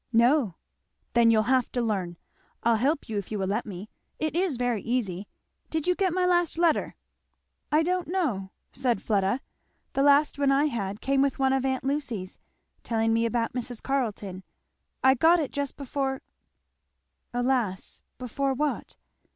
"No." "Then you'll have to learn. I'll help you if you will let me. It is very easy. Did you get my last letter?" "I don't know," said Fleda, "the last one I had came with one of aunt Lucy's, telling me about Mrs. Carleton I got it just before " Alas! before what?